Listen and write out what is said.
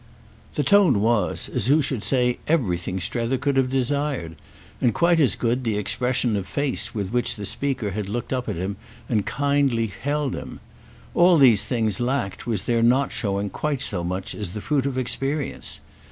The tone was, as who should say, everything Strether could have desired; and quite as good the expression of face with which the speaker had looked up at him and kindly held him. All these things lacked was their not showing quite so much as the fruit of experience.